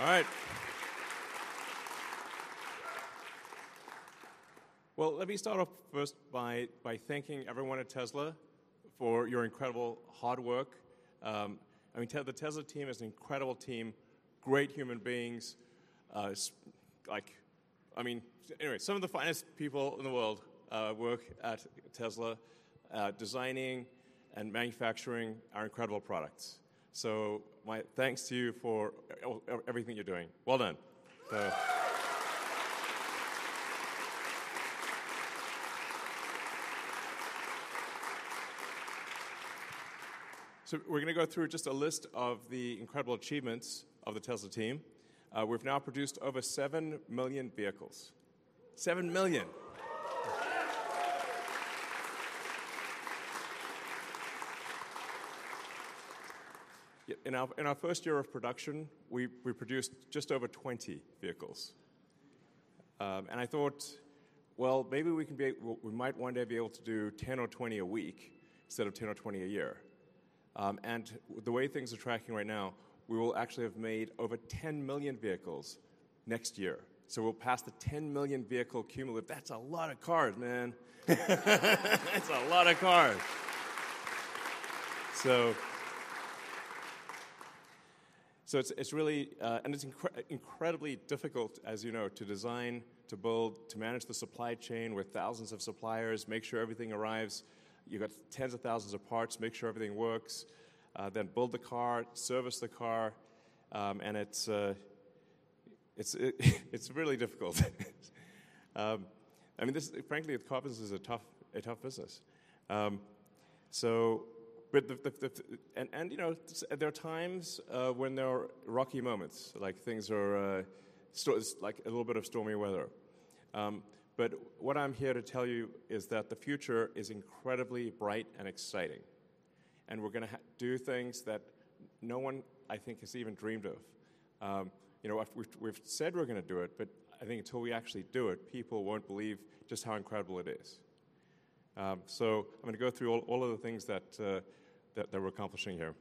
All right. Let me start off first by thanking everyone at Tesla for your incredible hard work. I mean, the Tesla team is an incredible team, great human beings. I mean, anyway, some of the finest people in the world work at Tesla, designing and manufacturing our incredible products. My thanks to you for everything you're doing. Well done. We are going to go through just a list of the incredible achievements of the Tesla team. We've now produced over 7 million vehicles. 7 million. In our first year of production, we produced just over 20 vehicles. I thought, maybe we might one day be able to do 10 or 20 a week instead of 10 or 20 a year. The way things are tracking right now, we will actually have made over 10 million vehicles next year. We will pass the 10 million vehicle cumulative. That is a lot of cars, man. That is a lot of cars. It is really, and it is incredibly difficult, as you know, to design, to build, to manage the supply chain with thousands of suppliers, make sure everything arrives. You have got tens of thousands of parts, make sure everything works, then build the car, service the car. It is really difficult. I mean, frankly, car business is a tough business. There are times when there are rocky moments, like things are like a little bit of stormy weather. What I am here to tell you is that the future is incredibly bright and exciting. We are going to do things that no one, I think, has even dreamed of. We have said we are going to do it, but I think until we actually do it, people will not believe just how incredible it is. I'm going to go through all of the things that we're accomplishing here.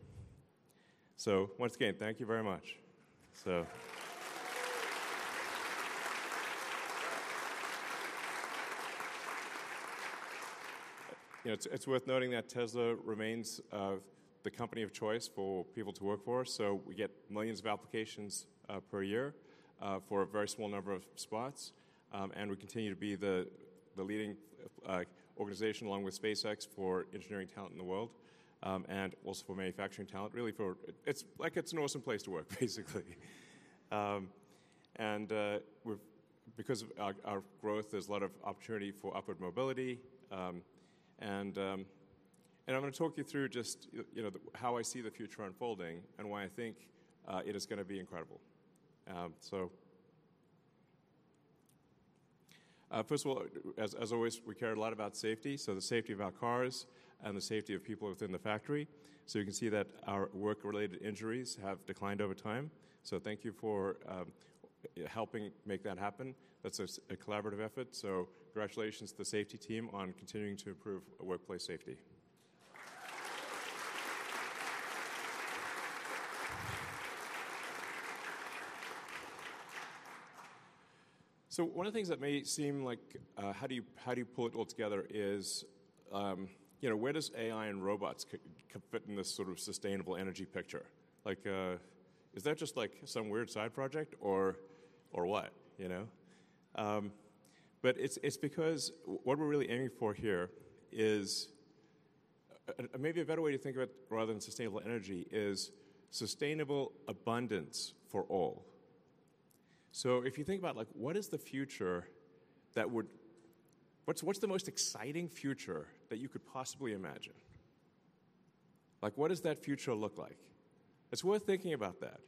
Once again, thank you very much. It's worth noting that Tesla remains the company of choice for people to work for. We get millions of applications per year for a very small number of spots. We continue to be the leading organization, along with SpaceX, for engineering talent in the world, and also for manufacturing talent, really. It's like it's an awesome place to work, basically. Because of our growth, there's a lot of opportunity for upward mobility. I'm going to talk you through just how I see the future unfolding and why I think it is going to be incredible. First of all, as always, we care a lot about safety, so the safety of our cars and the safety of people within the factory. You can see that our work-related injuries have declined over time. Thank you for helping make that happen. That is a collaborative effort. Congratulations to the safety team on continuing to improve workplace safety. One of the things that may seem like, how do you pull it all together, is, where does AI and robots fit in this sort of sustainable energy picture? Is that just like some weird side project or what? It is because what we are really aiming for here is maybe a better way to think of it, rather than sustainable energy, is sustainable abundance for all. If you think about what is the future that would, what is the most exciting future that you could possibly imagine? What does that future look like? It is worth thinking about that.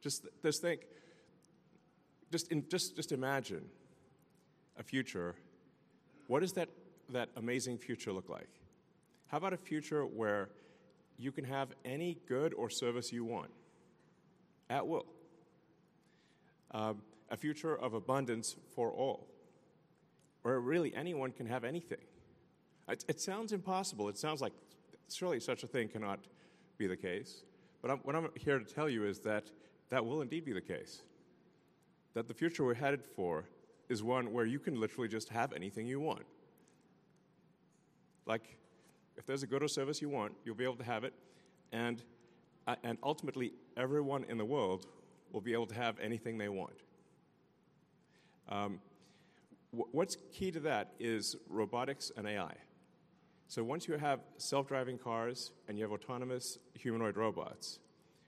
Just imagine a future. What does that amazing future look like? How about a future where you can have any good or service you want at will? A future of abundance for all, where really anyone can have anything. It sounds impossible. It sounds like surely such a thing cannot be the case. What I'm here to tell you is that that will indeed be the case, that the future we're headed for is one where you can literally just have anything you want. If there's a good or service you want, you'll be able to have it. Ultimately, everyone in the world will be able to have anything they want. What's key to that is robotics and AI. Once you have self-driving cars and you have autonomous humanoid robots,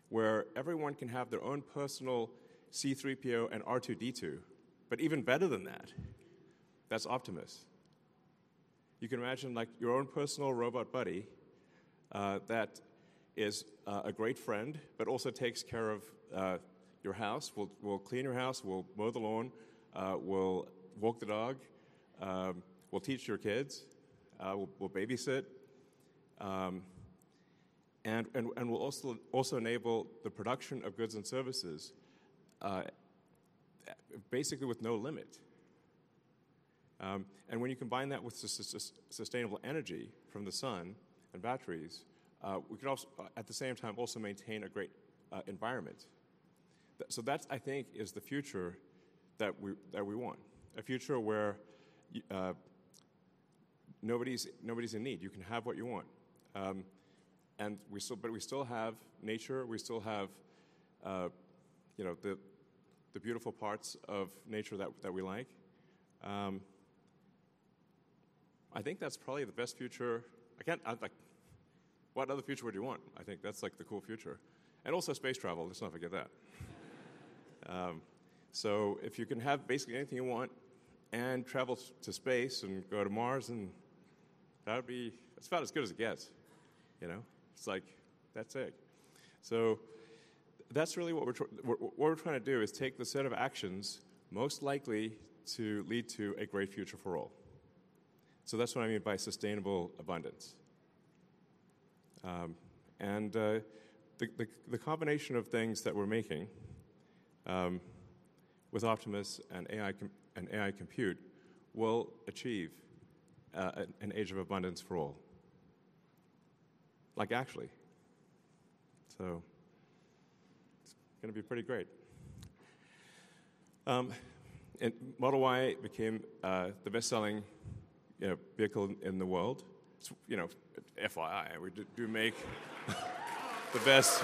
where everyone can have their own personal C-3PO and R2-D2, but even better than that, that's Optimus. You can imagine your own personal robot buddy that is a great friend, but also takes care of your house, will clean your house, will mow the lawn, will walk the dog, will teach your kids, will babysit. It will also enable the production of goods and services, basically with no limit. When you combine that with sustainable energy from the sun and batteries, we can also, at the same time, maintain a great environment. That, I think, is the future that we want. A future where nobody's in need. You can have what you want. We still have nature. We still have the beautiful parts of nature that we like. I think that's probably the best future. What other future would you want? I think that's like the cool future. Also, space travel. Let's not forget that. If you can have basically anything you want and travel to space and go to Mars, that's about as good as it gets. It's like, that's it. That's really what we're trying to do is take the set of actions most likely to lead to a great future for all. That's what I mean by sustainable abundance. The combination of things that we're making with Optimus and AI compute will achieve an age of abundance for all. Like actually. It's going to be pretty great. Model Y became the best-selling vehicle in the world. FYI, we do make the best.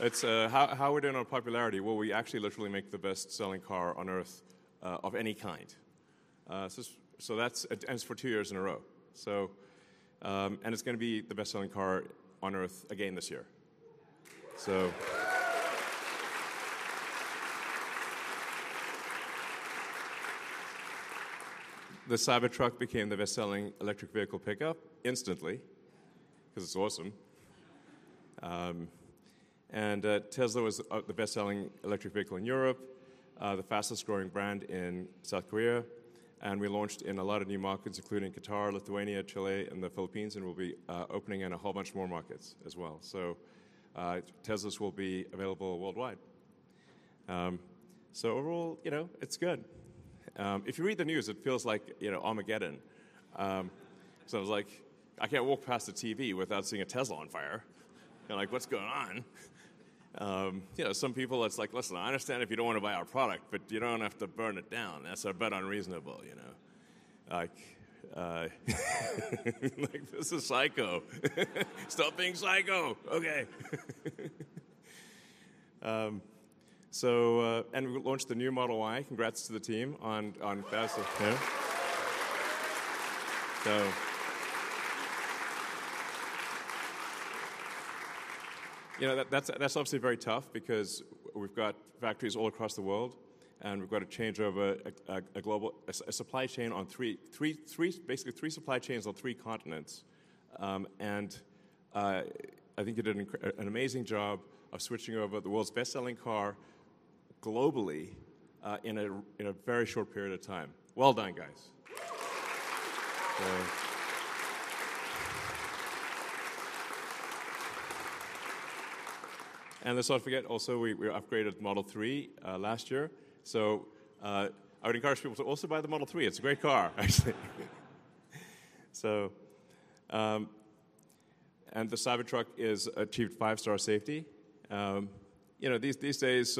How are we doing on popularity? We actually literally make the best-selling car on earth of any kind. That ends for two years in a row. It's going to be the best-selling car on earth again this year. The Cybertruck became the best-selling electric vehicle pickup instantly, because it's awesome. Tesla was the best-selling electric vehicle in Europe, the fastest-growing brand in South Korea. We launched in a lot of new markets, including Qatar, Lithuania, Chile, and the Philippines, and we'll be opening in a whole bunch more markets as well. Teslas will be available worldwide. Overall, it's good. If you read the news, it feels like Armageddon. It's like, I can't walk past the TV without seeing a Tesla on fire. You're like, what's going on? Some people, it's like, listen, I understand if you don't want to buy our product, but you don't have to burn it down. That's a bit unreasonable. This is psycho. Stop being psycho. Okay. We launched the new Model Y. Congrats to the team on. That's obviously very tough, because we've got factories all across the world, and we've got to change over a supply chain on basically three supply chains on three continents. I think you did an amazing job of switching over the world's best-selling car globally in a very short period of time. Well done, guys. Let's not forget, also, we upgraded Model 3 last year. I would encourage people to also buy the Model 3. It's a great car, actually. The Cybertruck has achieved five-star safety. These days,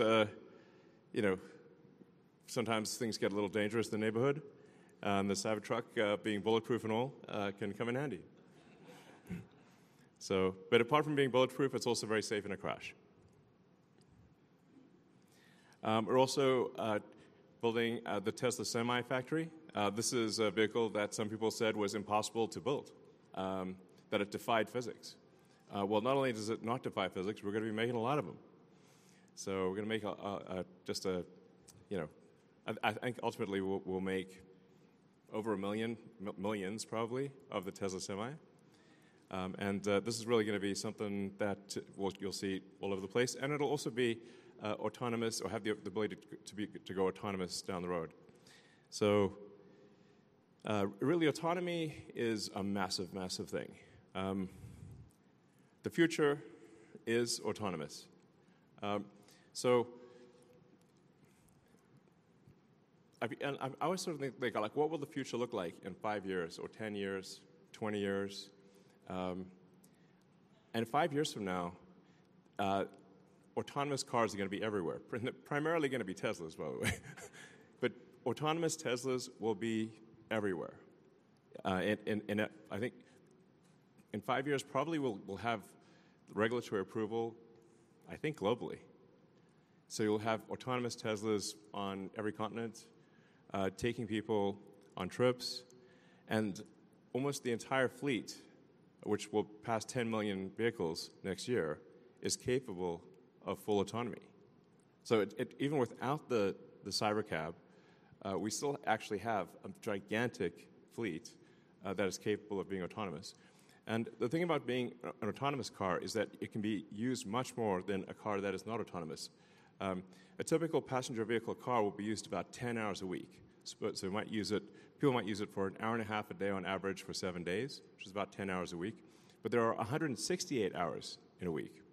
sometimes things get a little dangerous in the neighborhood. The Cybertruck, being bulletproof and all, can come in handy. Apart from being bulletproof, it's also very safe in a crash. We're also building the Tesla Semi factory. This is a vehicle that some people said was impossible to build, that it defied physics. Not only does it not defy physics, we're going to be making a lot of them. We're going to make just a, I think ultimately we'll make over a million, millions probably, of the Tesla Semi. This is really going to be something that you'll see all over the place. It'll also be autonomous or have the ability to go autonomous down the road. Really, autonomy is a massive, massive thing. The future is autonomous. I always sort of think, what will the future look like in five years or 10 years, 20 years? In five years from now, autonomous cars are going to be everywhere. Primarily going to be Teslas, by the way. Autonomous Teslas will be everywhere. I think in five years, probably we'll have regulatory approval, I think globally. You'll have autonomous Teslas on every continent, taking people on trips. Almost the entire fleet, which will pass 10 million vehicles next year, is capable of full autonomy. Even without the Cybercab, we still actually have a gigantic fleet that is capable of being autonomous. The thing about being an autonomous car is that it can be used much more than a car that is not autonomous. A typical passenger vehicle car will be used about 10 hours a week. People might use it for an hour and a half a day on average for seven days, which is about 10 hours a week. There are 168 hours in a week.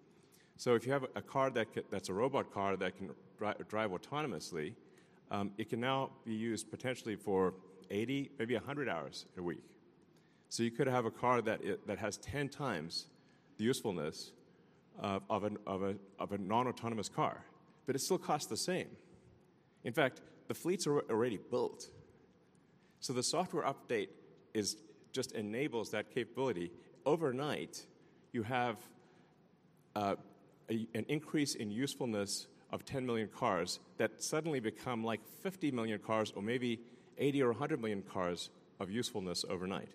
If you have a car that's a robot car that can drive autonomously, it can now be used potentially for 80, maybe 100 hours a week. You could have a car that has 10 times the usefulness of a non-autonomous car, but it still costs the same. In fact, the fleets are already built. The software update just enables that capability. Overnight, you have an increase in usefulness of 10 million cars that suddenly become like 50 million cars or maybe 80 or 100 million cars of usefulness overnight.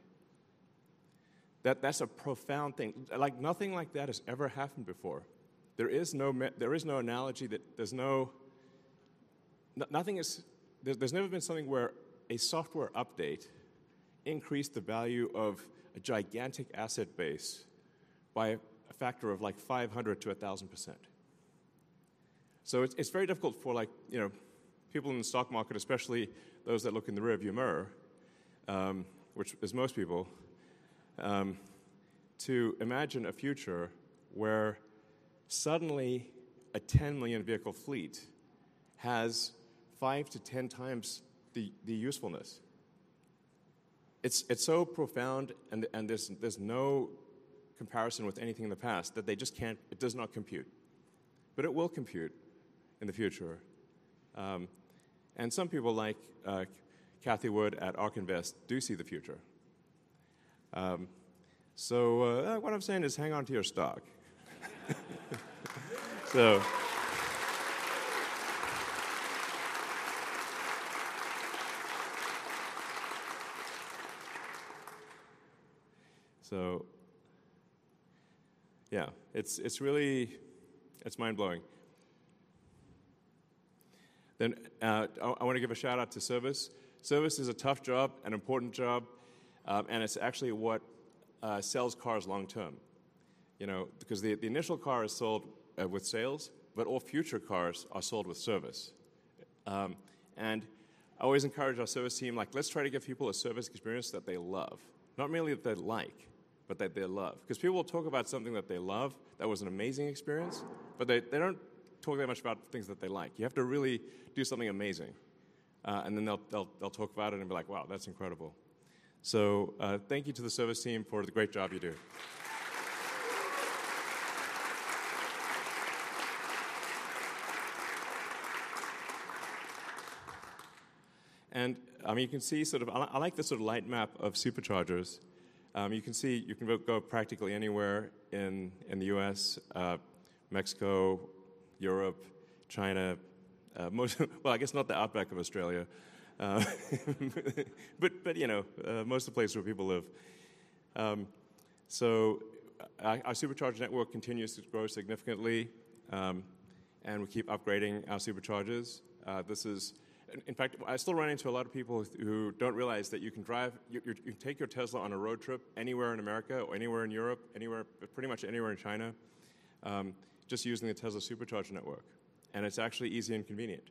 That is a profound thing. Nothing like that has ever happened before. There is no analogy, there is nothing, there has never been something where a software update increased the value of a gigantic asset base by a factor of like 500%-1,000%. It is very difficult for people in the stock market, especially those that look in the rearview mirror, which is most people, to imagine a future where suddenly a 10 million vehicle fleet has five to 10 times the usefulness. It's so profound, and there's no comparison with anything in the past that it does not compute. It will compute in the future. Some people like Cathie Wood at Ark Invest do see the future. What I'm saying is, hang on to your stock. Yeah, it's mind-blowing. I want to give a shout-out to service. Service is a tough job, an important job, and it's actually what sells cars long-term. The initial car is sold with sales, but all future cars are sold with service. I always encourage our service team, let's try to give people a service experience that they love. Not merely that they like, but that they love. People will talk about something that they love, that was an amazing experience, but they don't talk that much about things that they like. You have to really do something amazing. They'll talk about it and be like, wow, that's incredible. Thank you to the service team for the great job you do. You can see sort of I like this sort of light map of superchargers. You can see you can go practically anywhere in the U.S., Mexico, Europe, China, I guess not the outback of Australia, but most of the places where people live. Our supercharger network continues to grow significantly, and we keep upgrading our superchargers. In fact, I still run into a lot of people who do not realize that you can take your Tesla on a road trip anywhere in America or anywhere in Europe, pretty much anywhere in China, just using the Tesla supercharger network. It is actually easy and convenient.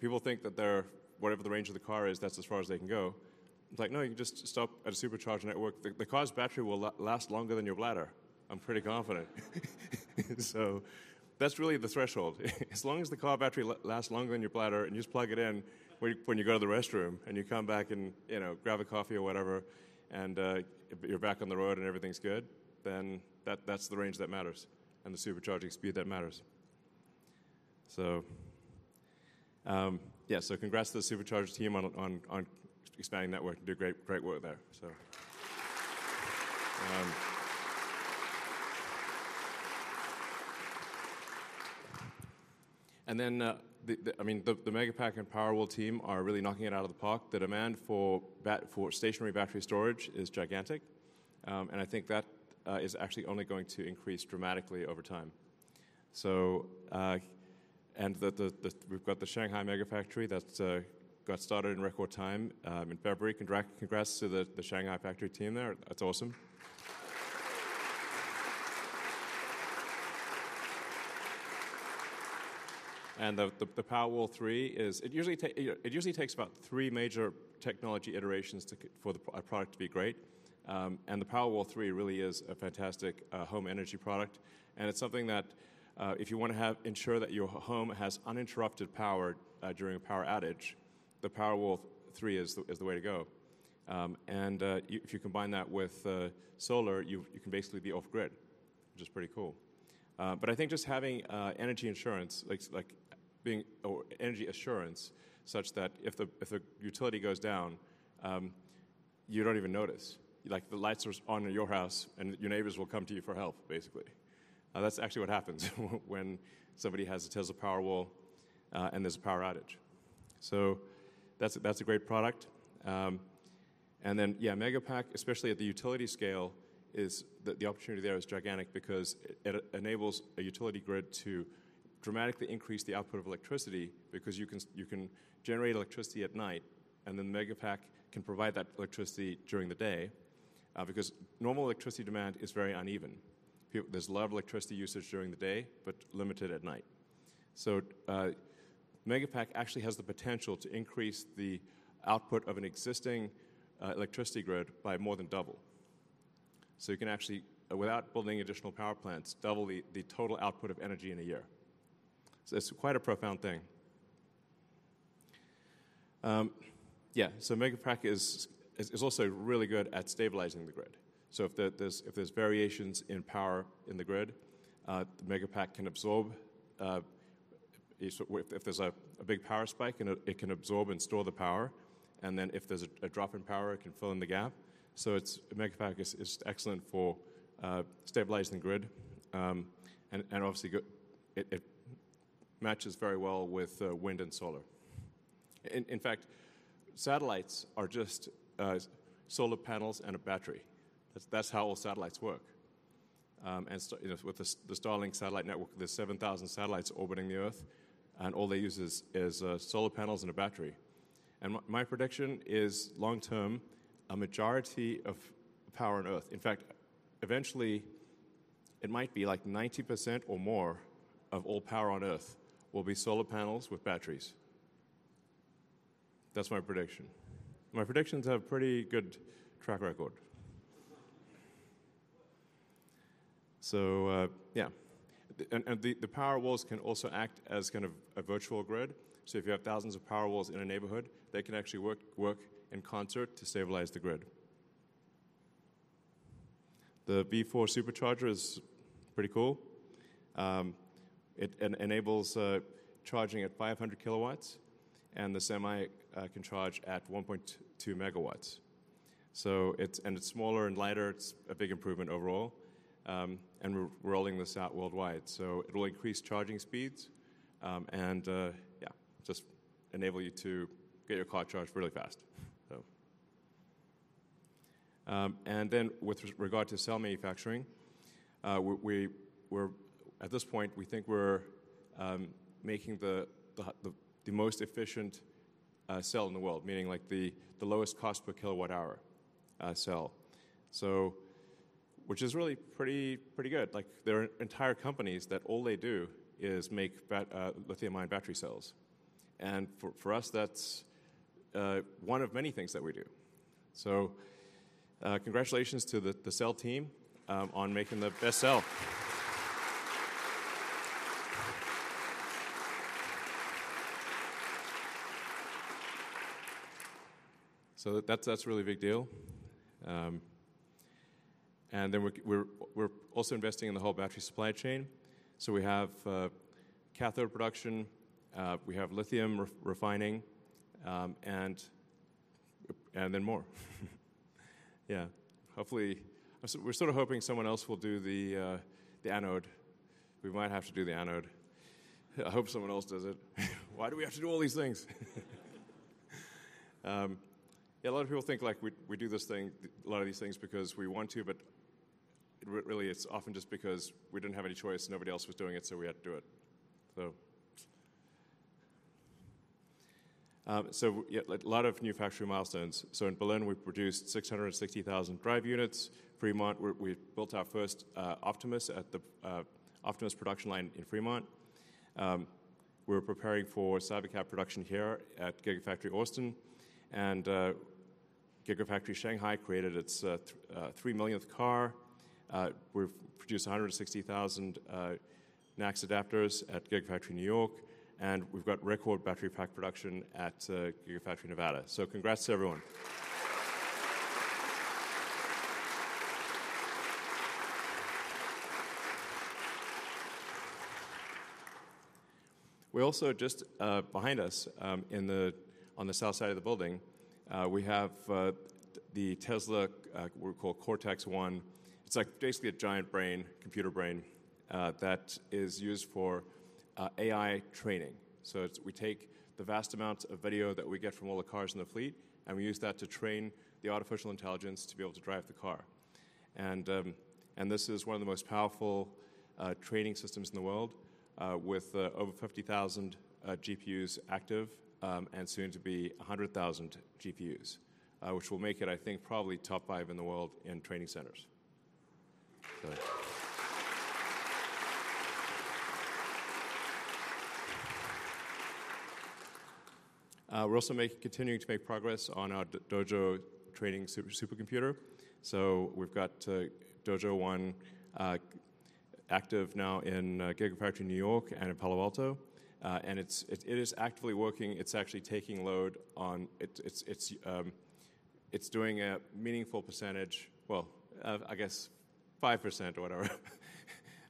People think that whatever the range of the car is, that's as far as they can go. It's like, no, you can just stop at a supercharger network. The car's battery will last longer than your bladder, I'm pretty confident. That is really the threshold. As long as the car battery lasts longer than your bladder and you just plug it in when you go to the restroom and you come back and grab a coffee or whatever, and you're back on the road and everything's good, then that's the range that matters and the supercharging speed that matters. Congrats to the supercharger team on expanding network. You did great work there. The Megapack and Powerwall team are really knocking it out of the park. The demand for stationary battery storage is gigantic. I think that is actually only going to increase dramatically over time. We've got the Shanghai Megapack factory that got started in record time in February. Congrats to the Shanghai factory team there. That's awesome. The Powerwall 3, it usually takes about three major technology iterations for a product to be great. The Powerwall 3 really is a fantastic home energy product. It's something that if you want to ensure that your home has uninterrupted power during a power outage, the Powerwall 3 is the way to go. If you combine that with solar, you can basically be off-grid, which is pretty cool. I think just having energy insurance, energy assurance, such that if the utility goes down, you don't even notice. The lights are on in your house, and your neighbors will come to you for help, basically. That's actually what happens when somebody has a Tesla Powerwall and there's a power outage. That's a great product. Yeah, Megapack, especially at the utility scale, the opportunity there is gigantic because it enables a utility grid to dramatically increase the output of electricity because you can generate electricity at night, and then the Megapack can provide that electricity during the day. Normal electricity demand is very uneven. There is a lot of electricity usage during the day, but limited at night. Megapack actually has the potential to increase the output of an existing electricity grid by more than double. You can actually, without building additional power plants, double the total output of energy in a year. It is quite a profound thing. Megapack is also really good at stabilizing the grid. If there are variations in power in the grid, the Megapack can absorb. If there is a big power spike, it can absorb and store the power. If there's a drop in power, it can fill in the gap. Megapack is excellent for stabilizing the grid. Obviously, it matches very well with wind and solar. In fact, satellites are just solar panels and a battery. That's how all satellites work. With the Starlink satellite network, there are 7,000 satellites orbiting the Earth, and all they use is solar panels and a battery. My prediction is, long-term, a majority of power on Earth. In fact, eventually, it might be like 90% or more of all power on Earth will be solar panels with batteries. That's my prediction. My predictions have a pretty good track record. The Powerwalls can also act as kind of a virtual grid. If you have thousands of Powerwalls in a neighborhood, they can actually work in concert to stabilize the grid. The V4 supercharger is pretty cool. It enables charging at 500 kW, and the Semi can charge at 1.2 MW. It is smaller and lighter. It is a big improvement overall. We are rolling this out worldwide. It will increase charging speeds and, yeah, just enable you to get your car charged really fast. With regard to cell manufacturing, at this point, we think we are making the most efficient cell in the world, meaning the lowest cost per kWh cell, which is really pretty good. There are entire companies that all they do is make lithium-ion battery cells. For us, that is one of many things that we do. Congratulations to the cell team on making the best cell. That is a really big deal. We are also investing in the whole battery supply chain. We have cathode production, we have lithium refining, and then more. Yeah. We're sort of hoping someone else will do the anode. We might have to do the anode. I hope someone else does it. Why do we have to do all these things? Yeah, a lot of people think we do a lot of these things because we want to, but really, it's often just because we didn't have any choice. Nobody else was doing it, so we had to do it. Yeah, a lot of new factory milestones. In Berlin, we produced 660,000 drive units. Fremont, we built our first Optimus production line in Fremont. We were preparing for Cybercab production here at Gigafactory Austin. Gigafactory Shanghai created its 3 millionth car. We've produced 160,000 NACS adapters at Gigafactory New York. We've got record battery pack production at Gigafactory Nevada. Congrats to everyone. Just behind us, on the south side of the building, we have the Tesla we call Cortex 1. It's basically a giant brain, computer brain, that is used for AI training. We take the vast amount of video that we get from all the cars in the fleet, and we use that to train the artificial intelligence to be able to drive the car. This is one of the most powerful training systems in the world, with over 50,000 GPUs active and soon to be 100,000 GPUs, which will make it, I think, probably top five in the world in training centers. We're also continuing to make progress on our Dojo training supercomputer. We've got Dojo 1 active now in Gigafactory New York and in Palo Alto. It is actively working. It's actually taking load on. It's doing a meaningful percentage, well, I guess 5% or whatever.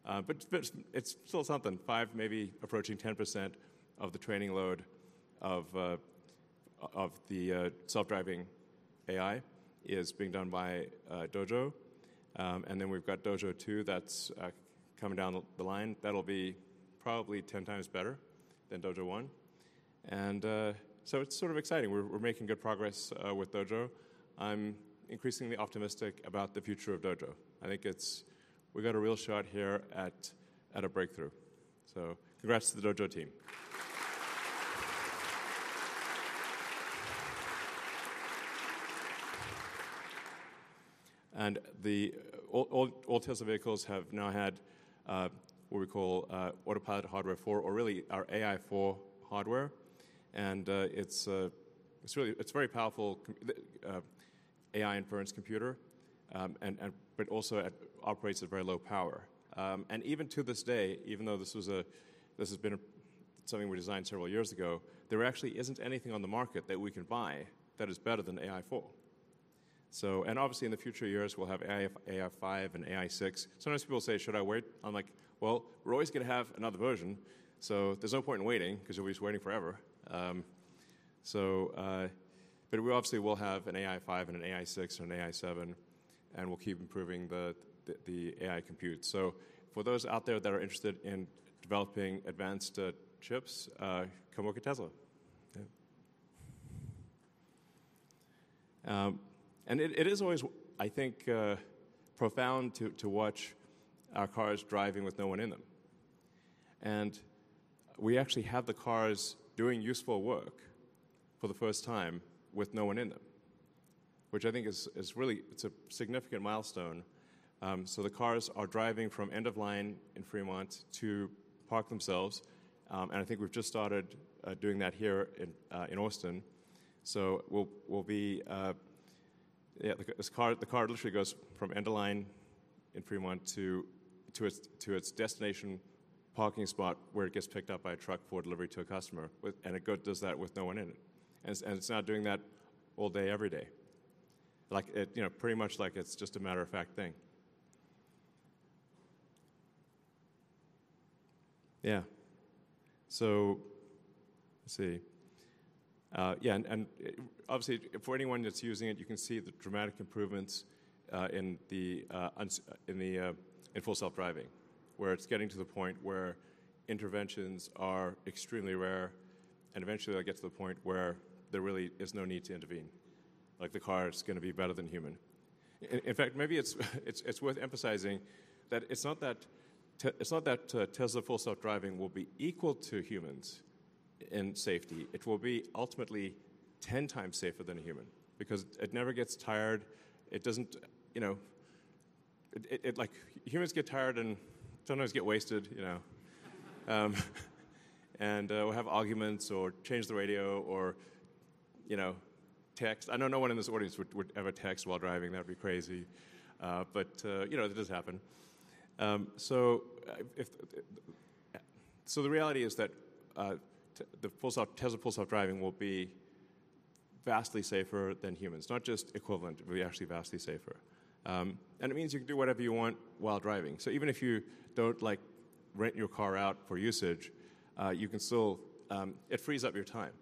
But it's still something, 5, maybe approaching 10% of the training load of the self-driving AI is being done by Dojo. And then we've got Dojo 2 that's coming down the line. That'll be probably 10 times better than Dojo 1. And so it's sort of exciting. We're making good progress with Dojo. I'm increasingly optimistic about the future of Dojo. I think we've got a real shot here at a breakthrough. So congrats to the Dojo team. And all Tesla vehicles have now had what we call Autopilot Hardware 4, or really our AI 4 hardware. And it's a very powerful AI inference computer, but also operates at very low power. Even to this day, even though this has been something we designed several years ago, there actually is not anything on the market that we can buy that is better than AI 4. Obviously, in the future years, we will have AI 5 and AI 6. Sometimes people say, "Should I wait?" I am like, "We are always going to have another version. There is no point in waiting because you will be waiting forever." We obviously will have an AI 5 and an AI 6 and an AI 7, and we will keep improving the AI compute. For those out there that are interested in developing advanced chips, come work at Tesla. It is always, I think, profound to watch our cars driving with no one in them. We actually have the cars doing useful work for the first time with no one in them, which I think is a significant milestone. The cars are driving from end of line in Fremont to park themselves. I think we've just started doing that here in Austin. The car literally goes from end of line in Fremont to its destination parking spot where it gets picked up by a truck for delivery to a customer. It does that with no one in it. It's now doing that all day, every day. Pretty much like it's just a matter-of-fact thing. Yeah. Let's see. Yeah. Obviously, for anyone that's using it, you can see the dramatic improvements in Full Self-Driving, where it's getting to the point where interventions are extremely rare. Eventually, they'll get to the point where there really is no need to intervene. The car is going to be better than human. In fact, maybe it's worth emphasizing that it's not that Tesla Full Self-Driving will be equal to humans in safety. It will be ultimately 10x safer than a human because it never gets tired. Humans get tired and sometimes get wasted. We'll have arguments or change the radio or text. I know no one in this audience would ever text while driving. That would be crazy. It does happen. The reality is that the Tesla Full Self-Driving will be vastly safer than humans, not just equivalent, but actually vastly safer. It means you can do whatever you want while driving. Even if you don't rent your car out for usage, it frees up your time.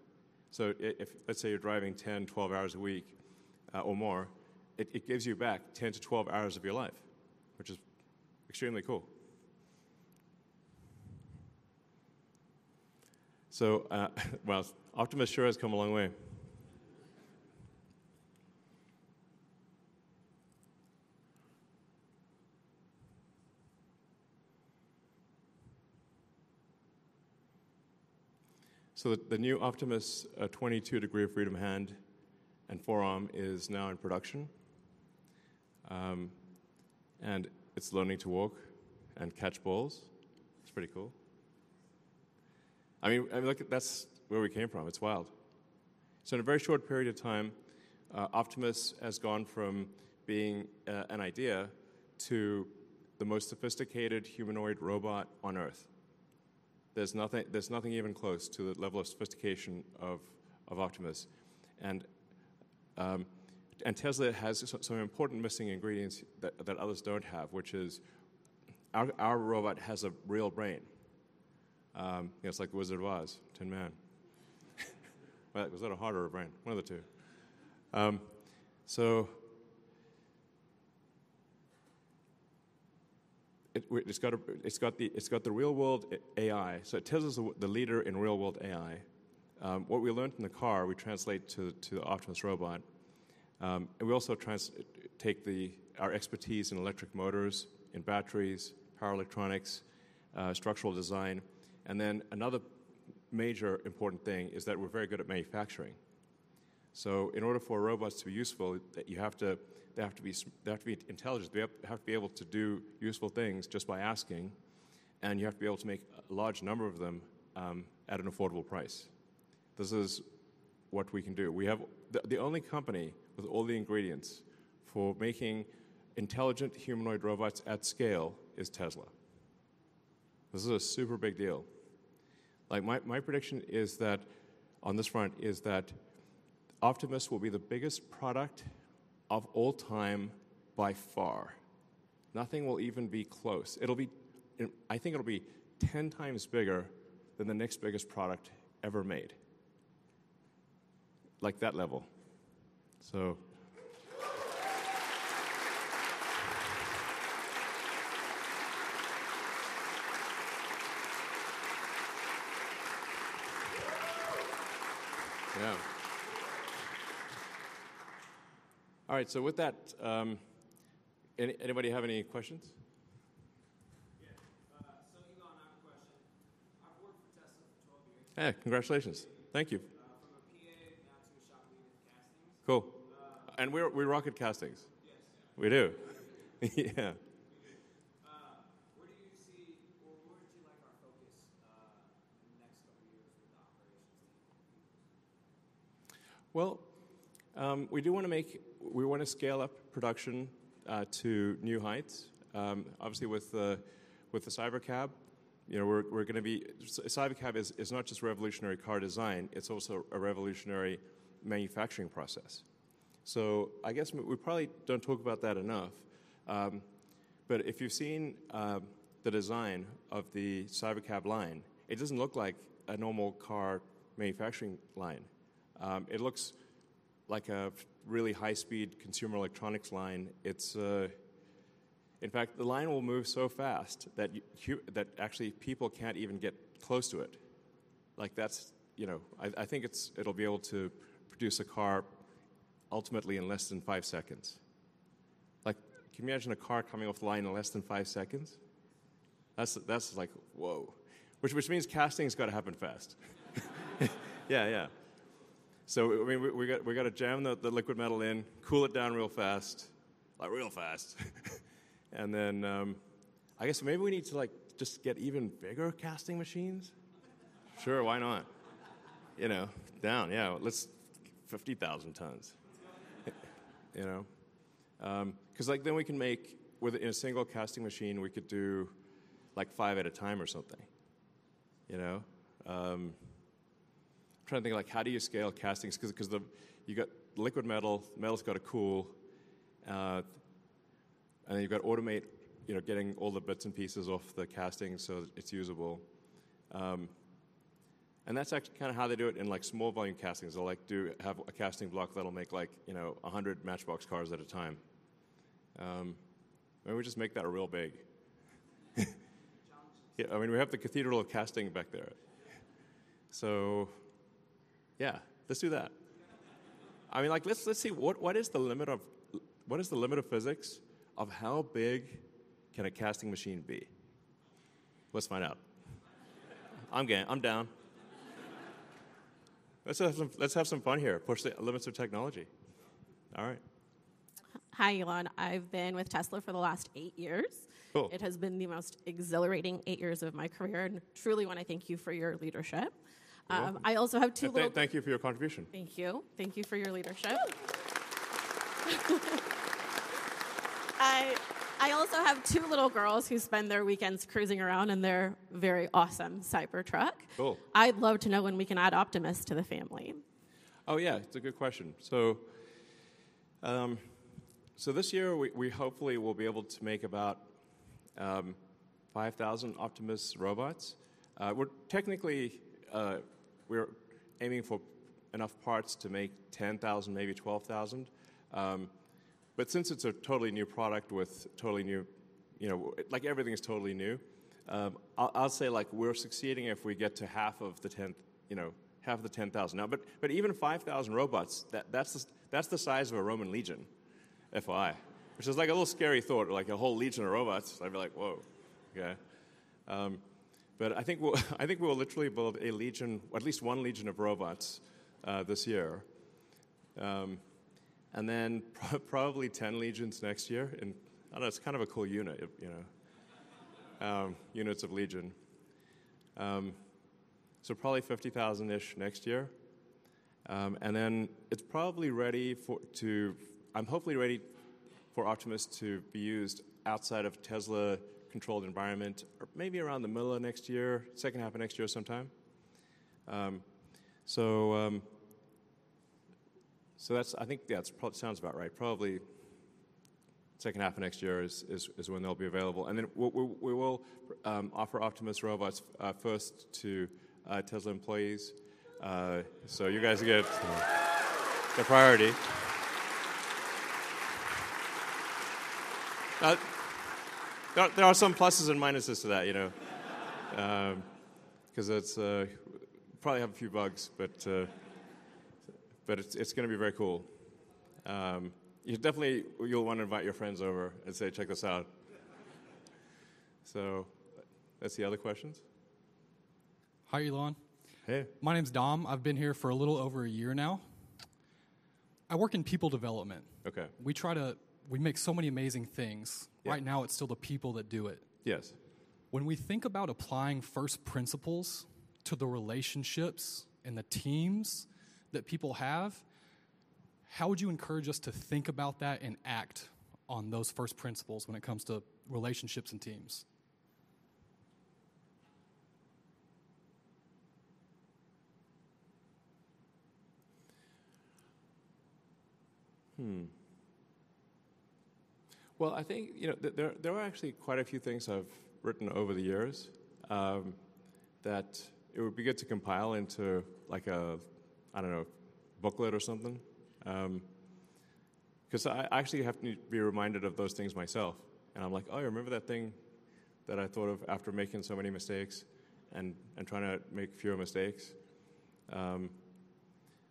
Let's say you're driving 10-12 hours a week or more, it gives you back 10-12 hours of your life, which is extremely cool. Optimus sure has come a long way. The new Optimus 22-degree of freedom hand and forearm is now in production. It's learning to walk and catch balls. It's pretty cool. I mean, that's where we came from. It's wild. In a very short period of time, Optimus has gone from being an idea to the most sophisticated humanoid robot on Earth. There's nothing even close to the level of sophistication of Optimus. Tesla has some important missing ingredients that others don't have, which is our robot has a real brain. It's like The Wizard of Oz, Tin Man. Was that a heart or a brain? One of the two. It's got the real-world AI. Tesla is the leader in real-world AI. What we learned in the car, we translate to the Optimus robot. We also take our expertise in electric motors, in batteries, power electronics, structural design. Another major important thing is that we're very good at manufacturing. In order for robots to be useful, they have to be intelligent. They have to be able to do useful things just by asking. You have to be able to make a large number of them at an affordable price. This is what we can do. The only company with all the ingredients for making intelligent humanoid robots at scale is Tesla. This is a super big deal. My prediction on this front is that Optimus will be the biggest product of all time by far. Nothing will even be close. I think it'll be 10 times bigger than the next biggest product ever made, like that level. Yeah. All right. With that, anybody have any questions? Yeah. Elon, I have a question. I've worked for Tesla for. Hey, congratulations. Thank you. Cool. We rock at castings. We do. Yeah. Where do you see or where would you like our focus in the next couple of years with the operations team? We do want to make we want to scale up production to new heights. Obviously, with the Cybercab, we're going to be Cybercab is not just revolutionary car design. It's also a revolutionary manufacturing process. I guess we probably don't talk about that enough. If you've seen the design of the Cybercab line, it doesn't look like a normal car manufacturing line. It looks like a really high-speed consumer electronics line. In fact, the line will move so fast that actually people can't even get close to it. I think it'll be able to produce a car ultimately in less than five seconds. Can you imagine a car coming off the line in less than five seconds? That's like, whoa. Which means casting has got to happen fast. Yeah, yeah. We've got to jam the liquid metal in, cool it down real fast, like real fast. I guess maybe we need to just get even bigger casting machines. Sure, why not? Down, yeah. Let's 50,000 tons. Because then we can make with a single casting machine, we could do like five at a time or something. I'm trying to think of how do you scale castings because you've got liquid metal, metal's got to cool. And then you've got to automate getting all the bits and pieces off the casting so it's usable. That's actually kind of how they do it in small volume castings. They'll have a casting block that'll make like 100 Matchbox cars at a time. Maybe we just make that real big. I mean, we have the cathedral of casting back there. Yeah, let's do that. I mean, let's see what is the limit of physics of how big can a casting machine be? Let's find out. I'm down. Let's have some fun here, push the limits of technology. All right. Hi, Elon. I've been with Tesla for the last eight years. Cool. It has been the most exhilarating eight years of my career. I truly want to thank you for your leadership. I also have two little. Thank you for your contribution. Thank you. Thank you for your leadership. I also have two little girls who spend their weekends cruising around in their very awesome Cybertruck. Cool. I'd love to know when we can add Optimus to the family. Oh, yeah. It's a good question. This year, we hopefully will be able to make about 5,000 Optimus robots. Technically, we're aiming for enough parts to make 10,000, maybe 12,000. Since it's a totally new product with totally new everything is totally new, I'll say we're succeeding if we get to half of the 10,000. Even 5,000 robots, that's the size of a Roman legion, FYI. Which is like a little scary thought, like a whole legion of robots. I'd be like, whoa. Okay. I think we'll literally build at least one legion of robots this year. Probably 10 legions next year. I don't know. It's kind of a cool unit of legion. Probably 50,000-ish next year. It is probably ready to, I am hopefully ready for Optimus to be used outside of Tesla-controlled environment, maybe around the middle of next year, second half of next year sometime. I think that sounds about right. Probably second half of next year is when they will be available. We will offer Optimus robots first to Tesla employees. You guys get the priority. There are some pluses and minuses to that because it probably has a few bugs. It is going to be very cool. You will want to invite your friends over and say, "Check this out." That is the other questions. Hi, Elon. Hey. My name's Dom. I've been here for a little over a year now. I work in people development. Okay. We make so many amazing things. Right now, it's still the people that do it. Yes. When we think about applying first principles to the relationships and the teams that people have, how would you encourage us to think about that and act on those first principles when it comes to relationships and teams? I think there are actually quite a few things I've written over the years that it would be good to compile into a, I don't know, booklet or something. Because I actually have to be reminded of those things myself. I'm like, "Oh, I remember that thing that I thought of after making so many mistakes and trying to make fewer mistakes."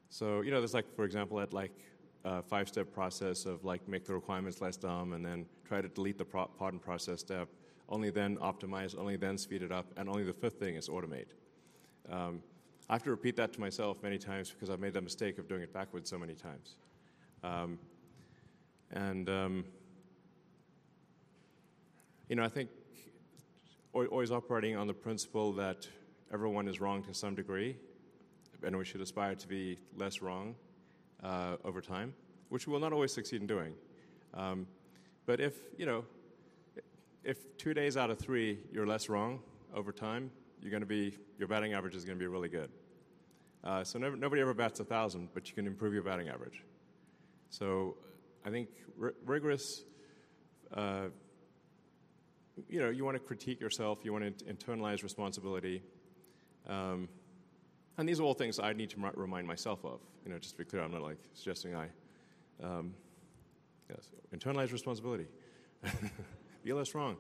There's, for example, that five-step process of make the requirements less dumb and then try to delete the pardon process step, only then optimize, only then speed it up, and only the fifth thing is automate. I have to repeat that to myself many times because I've made that mistake of doing it backwards so many times. I think always operating on the principle that everyone is wrong to some degree, and we should aspire to be less wrong over time, which we will not always succeed in doing. If two days out of three, you're less wrong over time, your batting average is going to be really good. Nobody ever bats 1,000, but you can improve your batting average. I think rigorous, you want to critique yourself. You want to internalize responsibility. These are all things I need to remind myself of. Just to be clear, I'm not suggesting I internalize responsibility. Be less wrong.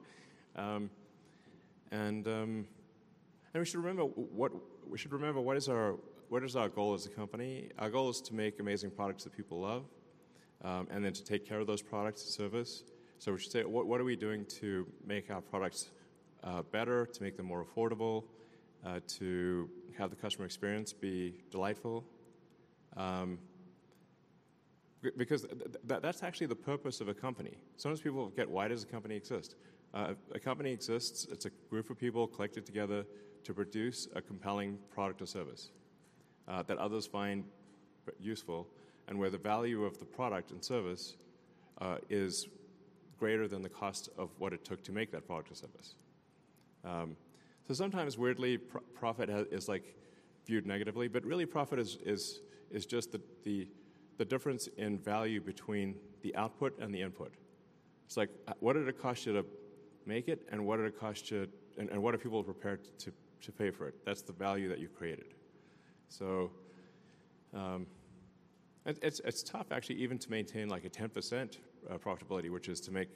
We should remember what is our goal as a company. Our goal is to make amazing products that people love and then to take care of those products and service. We should say, "What are we doing to make our products better, to make them more affordable, to have the customer experience be delightful?" Because that's actually the purpose of a company. Sometimes people forget why does a company exist. A company exists, it's a group of people collected together to produce a compelling product or service that others find useful and where the value of the product and service is greater than the cost of what it took to make that product or service. Sometimes, weirdly, profit is viewed negatively. Really, profit is just the difference in value between the output and the input. It's like, what did it cost you to make it, and what did it cost you, and what are people prepared to pay for it? That's the value that you've created. It's tough, actually, even to maintain a 10% profitability, which is to make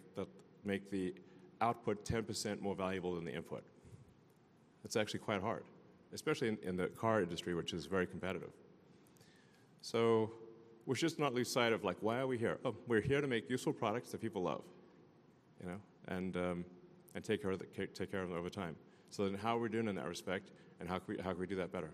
the output 10% more valuable than the input. That's actually quite hard, especially in the car industry, which is very competitive. We should not lose sight of like, why are we here? Oh, we're here to make useful products that people love and take care of them over time. How are we doing in that respect, and how can we do that better?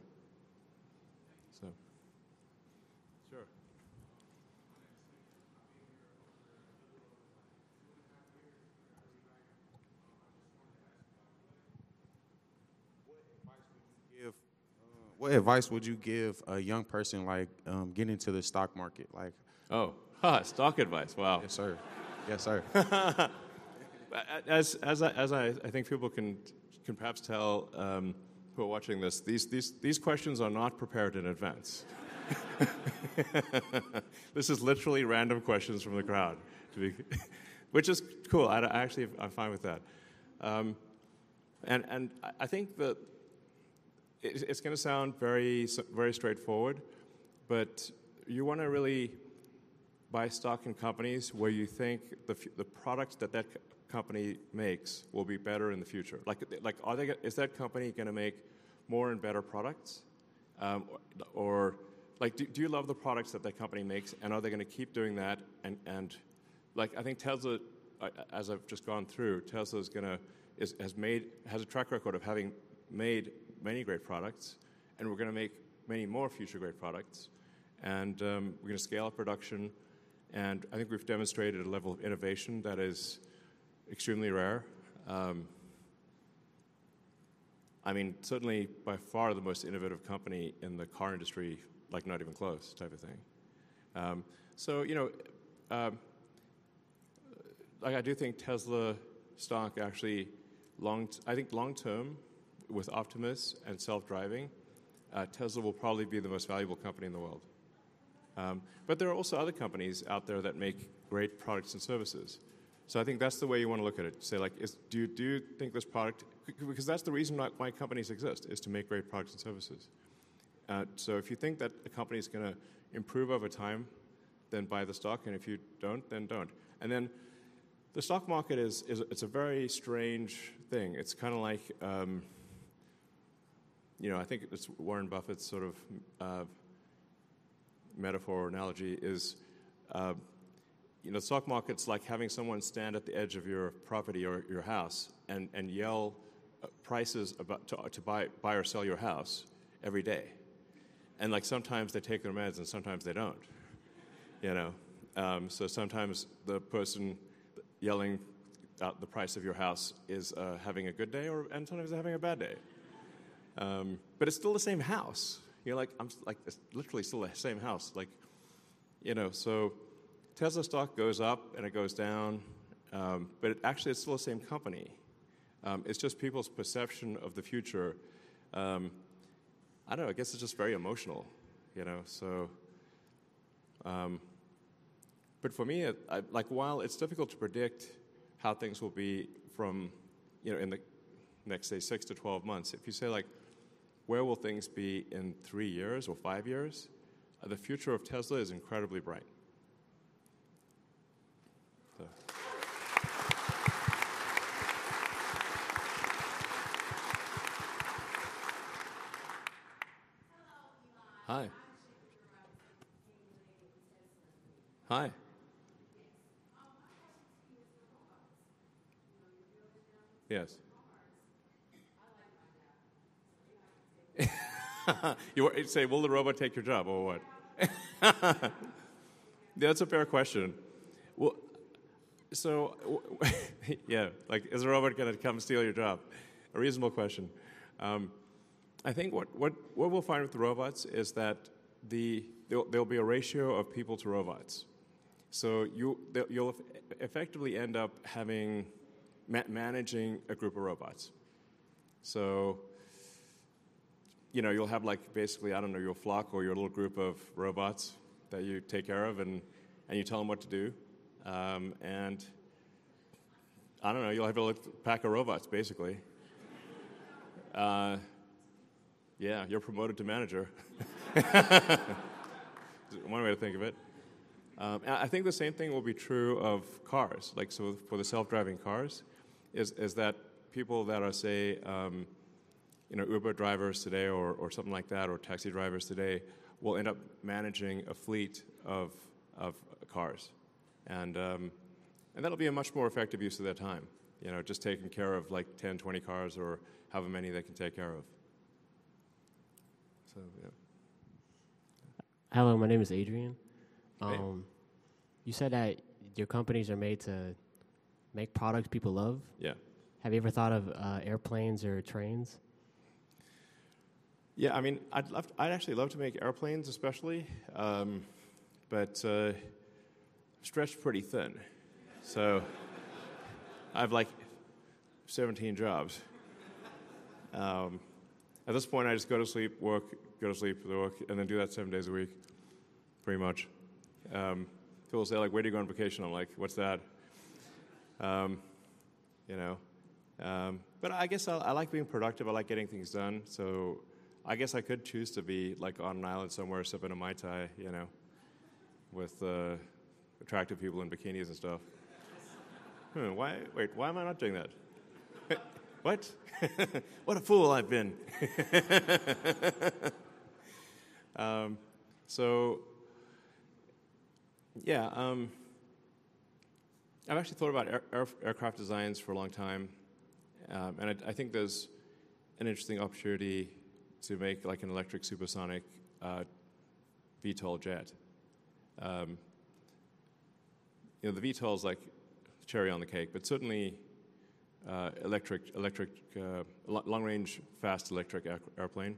Sure. Hi, I've been here. What advice would you give a young person getting into the stock market? Oh, stock advice. Wow. Yes, sir. Yes, sir. As I think people can perhaps tell who are watching this, these questions are not prepared in advance. This is literally random questions from the crowd, which is cool. Actually, I'm fine with that. I think it's going to sound very straightforward, but you want to really buy stock in companies where you think the product that that company makes will be better in the future. Is that company going to make more and better products? Do you love the products that that company makes, and are they going to keep doing that? I think Tesla, as I've just gone through, Tesla has a track record of having made many great products, and we're going to make many more future great products. We're going to scale up production. I think we've demonstrated a level of innovation that is extremely rare. I mean, certainly by far the most innovative company in the car industry, like not even close type of thing. I do think Tesla stock actually, I think long term with Optimus and self-driving, Tesla will probably be the most valuable company in the world. There are also other companies out there that make great products and services. I think that's the way you want to look at it. Say like, "Do you think this product because that's the reason why companies exist, is to make great products and services." If you think that a company is going to improve over time, then buy the stock. If you don't, then don't. The stock market, it's a very strange thing. It's kind of like I think it's Warren Buffett's sort of metaphor or analogy: the stock market is like having someone stand at the edge of your property or your house and yell prices to buy or sell your house every day. Sometimes they take their meds, and sometimes they don't. Sometimes the person yelling the price of your house is having a good day, and sometimes they're having a bad day. It's still the same house. You're like, "I'm literally still the same house." Tesla stock goes up, and it goes down. Actually, it's still the same company. It's just people's perception of the future. I don't know. I guess it's just very emotional. For me, while it's difficult to predict how things will be in the next, say, 6-12 months, if you say like, "Where will things be in three years or five years?" The future of Tesla is incredibly bright. Hi. Yes. You say, "Will the robot take your job or what?" That's a fair question. Yeah, is a robot going to come steal your job? A reasonable question. I think what we'll find with the robots is that there'll be a ratio of people to robots. You'll effectively end up managing a group of robots. You'll have basically, I don't know, your flock or your little group of robots that you take care of, and you tell them what to do. I don't know. You'll have a pack of robots, basically. Yeah, you're promoted to manager. One way to think of it. I think the same thing will be true of cars. For the self-driving cars, people that are, say, Uber drivers today or something like that, or taxi drivers today, will end up managing a fleet of cars. That'll be a much more effective use of their time, just taking care of like 10-20 cars or however many they can take care of. Yeah. Hello. My name is Adrian. Hi. You said that your companies are made to make products people love. Yeah. Have you ever thought of airplanes or trains? Yeah. I mean, I'd actually love to make airplanes, especially. But I'm stretched pretty thin. I have like 17 jobs. At this point, I just go to sleep, work, go to sleep, work, and then do that seven days a week, pretty much. People say like, "Where do you go on vacation?" I'm like, "What's that?" I guess I like being productive. I like getting things done. I guess I could choose to be on an island somewhere, sipping a Mai Tai, with attractive people in bikinis and stuff. Wait, why am I not doing that? What? What a fool I've been. Yeah, I've actually thought about aircraft designs for a long time. I think there's an interesting opportunity to make an electric supersonic VTOL jet. The VTOL is like cherry on the cake. Certainly, electric long-range fast electric airplane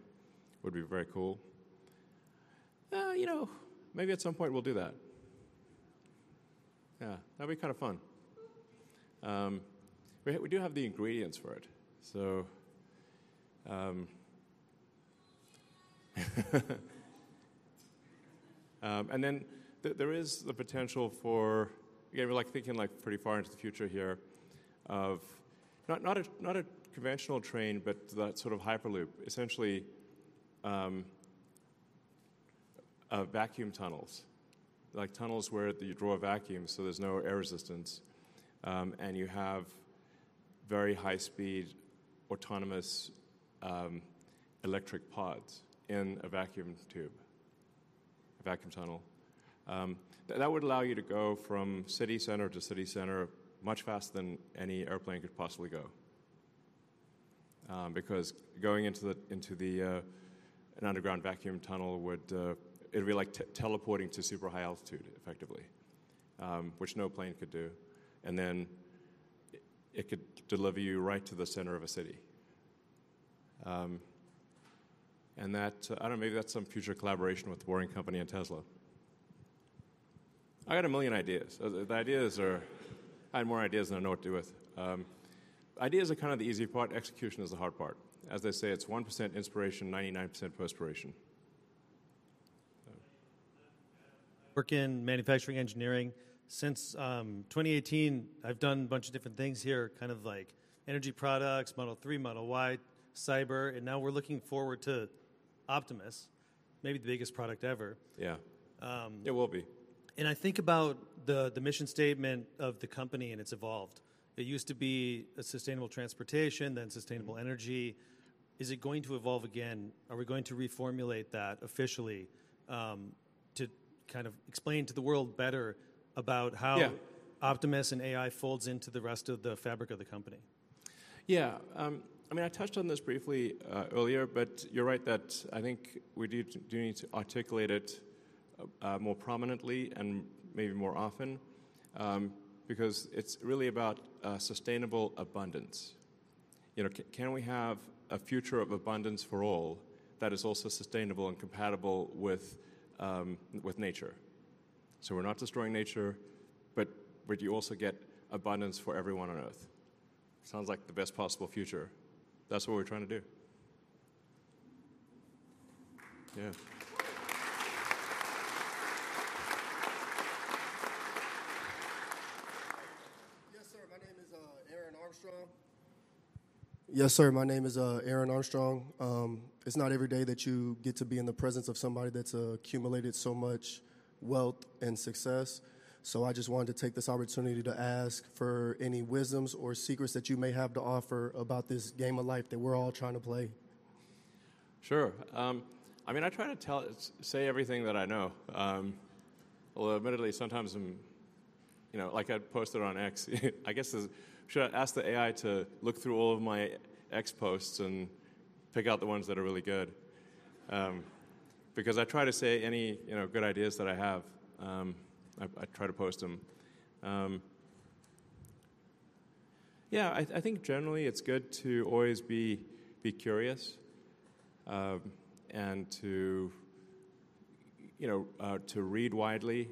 would be very cool. Maybe at some point, we'll do that. Yeah. That'd be kind of fun. We do have the ingredients for it. There is the potential for, again, we're thinking pretty far into the future here, of not a conventional train, but that sort of hyperloop, essentially vacuum tunnels, tunnels where you draw a vacuum so there's no air resistance. You have very high-speed autonomous electric pods in a vacuum tube, a vacuum tunnel. That would allow you to go from city center to city center much faster than any airplane could possibly go. Because going into an underground vacuum tunnel, it would be like teleporting to super high altitude, effectively, which no plane could do. It could deliver you right to the center of a city. I don't know. Maybe that's some future collaboration with The Boring Company and Tesla. I got a million ideas. The ideas are I had more ideas than I know what to do with. Ideas are kind of the easy part. Execution is the hard part. As they say, it's 1% inspiration, 99% perspiration. Work in manufacturing engineering. Since 2018, I've done a bunch of different things here, kind of like energy products, Model 3, Model Y, Cybertruck. Now we're looking forward to Optimus, maybe the biggest product ever. Yeah. It will be. I think about the mission statement of the company, and it's evolved. It used to be sustainable transportation, then sustainable energy. Is it going to evolve again? Are we going to reformulate that officially to kind of explain to the world better about how Optimus and AI folds into the rest of the fabric of the company? Yeah. I mean, I touched on this briefly earlier, but you're right that I think we do need to articulate it more prominently and maybe more often because it's really about sustainable abundance. Can we have a future of abundance for all that is also sustainable and compatible with nature? We are not destroying nature, but you also get abundance for everyone on Earth. Sounds like the best possible future. That's what we're trying to do. Yeah. Yes, sir. My name is Aaron Armstrong. Yes, sir. My name is Aaron Armstrong. It's not every day that you get to be in the presence of somebody that's accumulated so much wealth and success. I just wanted to take this opportunity to ask for any wisdoms or secrets that you may have to offer about this game of life that we're all trying to play. Sure. I mean, I try to say everything that I know. Although, admittedly, sometimes I'm like I posted on X. I guess I should ask the AI to look through all of my X posts and pick out the ones that are really good. Because I try to say any good ideas that I have, I try to post them. Yeah. I think generally, it's good to always be curious and to read widely,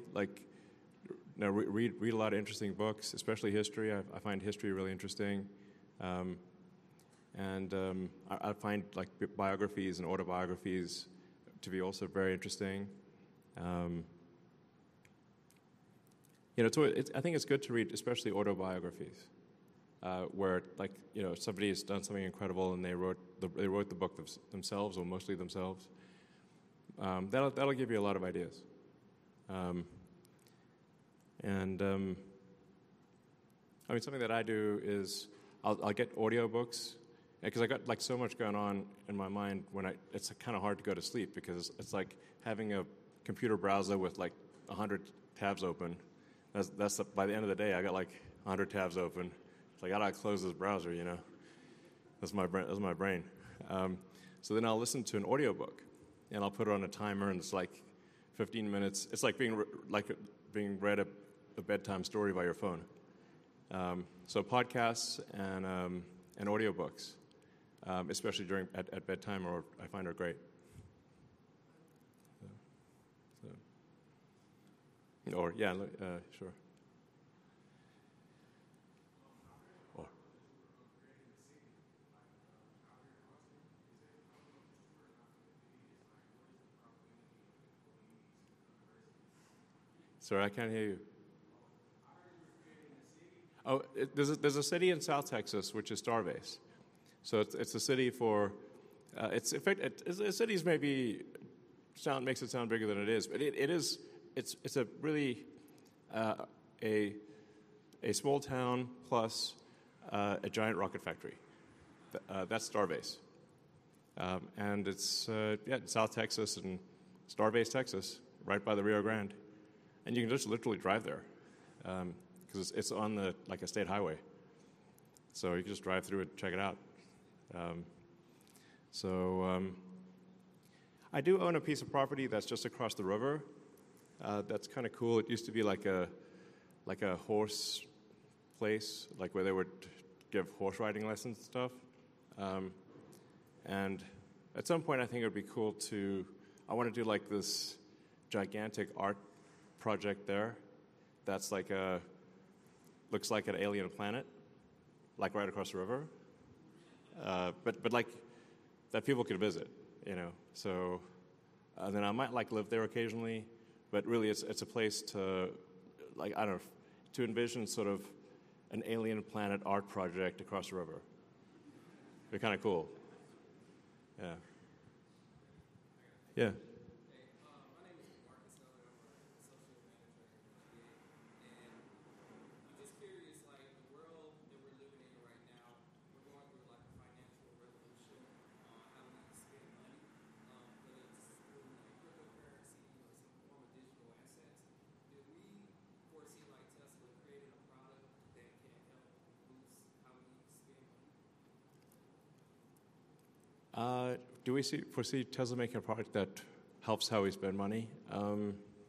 read a lot of interesting books, especially history. I find history really interesting. I find biographies and autobiographies to be also very interesting. I think it's good to read especially autobiographies where somebody has done something incredible, and they wrote the book themselves or mostly themselves. That'll give you a lot of ideas. I mean, something that I do is I'll get audiobooks. Because I've got so much going on in my mind, it's kind of hard to go to sleep because it's like having a computer browser with like 100 tabs open. By the end of the day, I've got like 100 tabs open. It's like, "I've got to close this browser." That's my brain. I listen to an audiobook, and I put it on a timer, and it's like 15 minutes. It's like being read a bedtime story by your phone. Podcasts and audiobooks, especially at bedtime, I find are great. Yeah, sure. Sorry, I can't hear you. Oh, there's a city in South Texas, which is Starbase. A city makes it sound bigger than it is. It's really a small town plus a giant rocket factory. That's Starbase. It's in South Texas and Starbase, Texas, right by the Rio Grande. You can just literally drive there because it's on a state highway. You can just drive through and check it out. I do own a piece of property that's just across the river. That's kind of cool. It used to be like a horse place, like where they would give horse riding lessons and stuff. At some point, I think it would be cool to, I want to do this gigantic art project there that looks like an alien planet, like right across the river, but that people could visit. I might live there occasionally. Really, it's a place to, I don't know, to envision sort of an alien planet art project across the river. It'd be kind of cool. Yeah. Yeah. Hey. My name is Marcus Elliott. I'm a social manager. I'm just curious, the world that we're living in right now, we're going through a financial revolution on how to spend money. Whether it's through cryptocurrency or some form of digital assets. Do we foresee Tesla creating a product that can help boost how we spend money? Do we foresee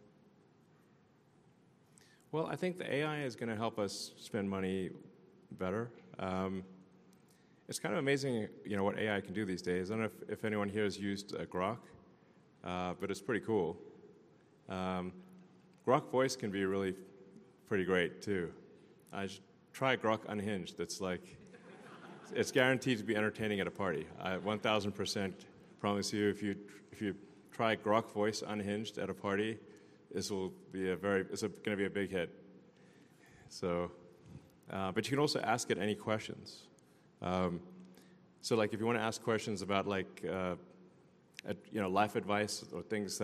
Tesla making a product that helps how we spend money? I think the AI is going to help us spend money better. It's kind of amazing what AI can do these days. I don't know if anyone here has used Grok, but it's pretty cool. Grok Voice can be really pretty great, too. Try Grok Unhinged. It's guaranteed to be entertaining at a party. I 1,000% promise you, if you try Grok Voice Unhinged at a party, this will be a very it's going to be a big hit. You can also ask it any questions. If you want to ask questions about life advice or things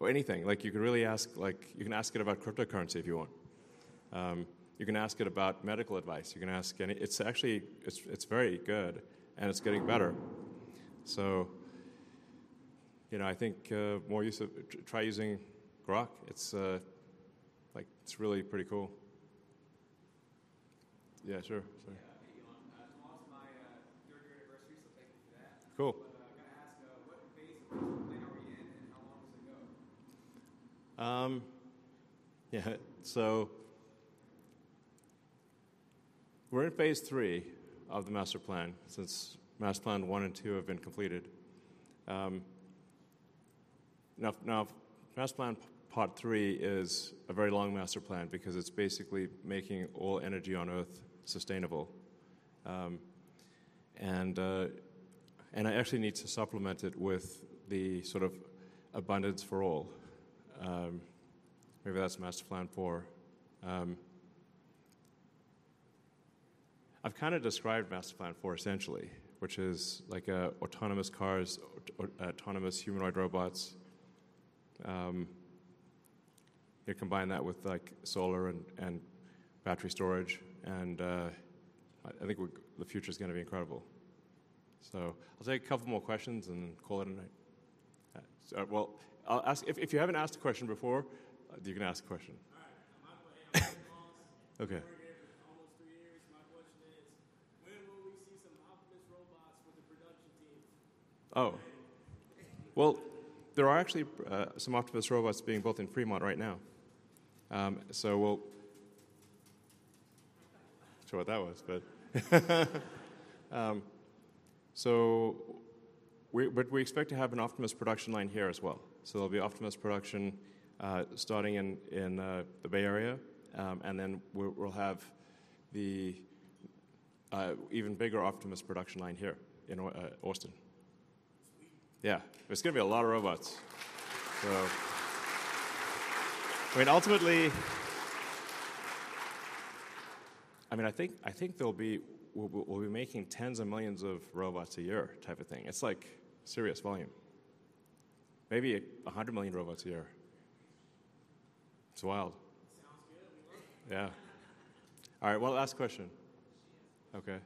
or anything, you can really ask you can ask it about cryptocurrency if you want. You can ask it about medical advice. You can ask it's actually very good, and it's getting better. I think try using Grok. It's really pretty cool. Yeah, sure. Yeah. I'm on my third year anniversary, so thank you for that. Cool. I've got to ask, what phase of this plan are we in, and how long does it go? Yeah. We're in phase III of the master plan since master plan one and two have been completed. Now, master plan part three is a very long master plan because it's basically making all energy on Earth sustainable. I actually need to supplement it with the sort of abundance for all. Maybe that's master plan four. I've kind of described master plan four essentially, which is like autonomous cars, autonomous humanoid robots. You combine that with solar and battery storage. I think the future is going to be incredible. I'll take a couple more questions and call it a night. If you haven't asked a question before, you can ask a question. Okay. Almost three years. My question is, when will we see some Optimus robots with the production teams? Oh. There are actually some Optimus robots being built in Fremont right now. We'll show what that was, but we expect to have an Optimus production line here as well. There will be Optimus production starting in the Bay Area. Then we'll have the even bigger Optimus production line here in Austin. Yeah. There's going to be a lot of robots. I mean, ultimately, I mean, I think we'll be making tens of millions of robots a year type of thing. It's like serious volume. Maybe 100 million robots a year. It's wild. Yeah. All right. Last question. Okay.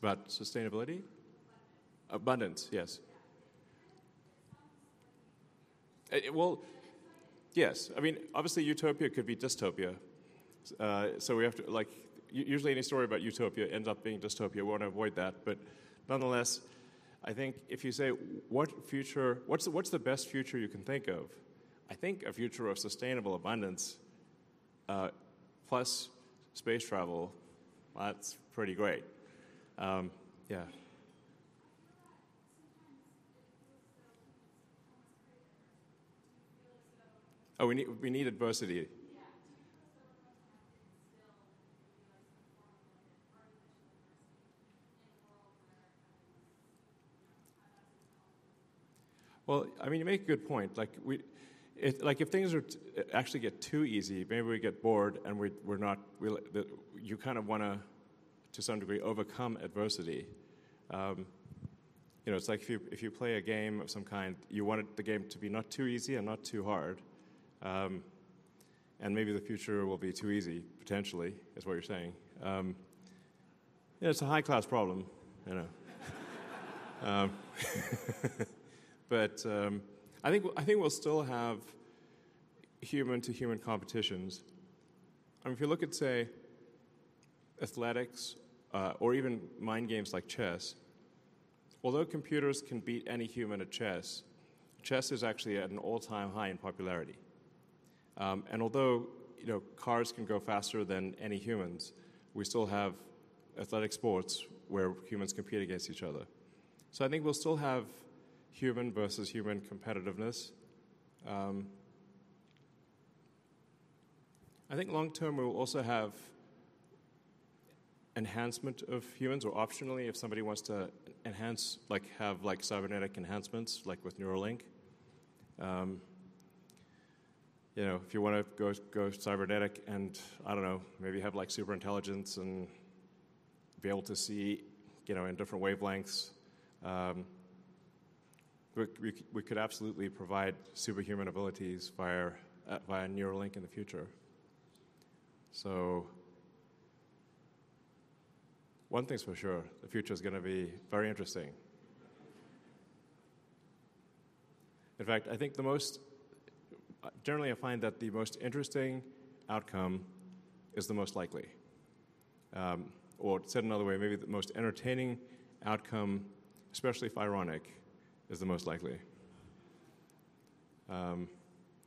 Yeah. I have a question about sustainability. About sustainability? Abundance, yes. Well. Yes. I mean, obviously, utopia could be dystopia. Usually, any story about utopia ends up being dystopia. We want to avoid that. Nonetheless, I think if you say, "What's the best future you can think of?" I think a future of sustainable abundance plus space travel, that's pretty great. Yeah. Oh, we need adversity. I mean, you make a good point. If things actually get too easy, maybe we get bored, and you kind of want to, to some degree, overcome adversity. It's like if you play a game of some kind, you want the game to be not too easy and not too hard. Maybe the future will be too easy, potentially, is what you're saying. It's a high-class problem. I think we'll still have human-to-human competitions. I mean, if you look at, say, athletics or even mind games like chess, although computers can beat any human at chess, chess is actually at an all-time high in popularity. Although cars can go faster than any humans, we still have athletic sports where humans compete against each other. I think we'll still have human versus human competitiveness. I think long-term, we'll also have enhancement of humans or optionally, if somebody wants to enhance, have cybernetic enhancements like with Neuralink. If you want to go cybernetic and, I don't know, maybe have superintelligence and be able to see in different wavelengths, we could absolutely provide superhuman abilities via Neuralink in the future. One thing's for sure, the future is going to be very interesting. In fact, I think generally, I find that the most interesting outcome is the most likely. Or said another way, maybe the most entertaining outcome, especially if ironic, is the most likely.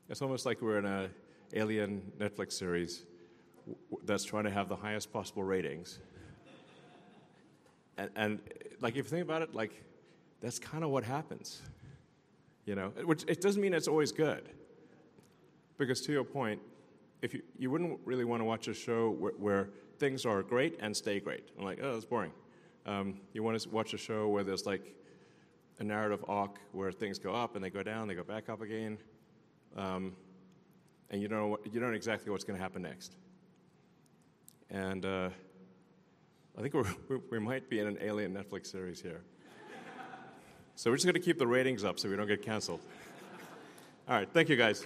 It's almost like we're in an alien Netflix series that's trying to have the highest possible ratings. If you think about it, that's kind of what happens. It doesn't mean it's always good. Because to your point, you wouldn't really want to watch a show where things are great and stay great. I'm like, "Oh, that's boring." You want to watch a show where there's a narrative arc where things go up and they go down, they go back up again, and you don't know exactly what's going to happen next. I think we might be in an alien Netflix series here. We are just going to keep the ratings up so we don't get canceled. All right. Thank you, guys.